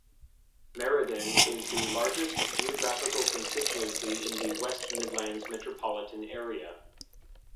Meriden is the largest geographical constituency in the West Midlands metropolitan area.